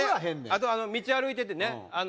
あと道歩いててね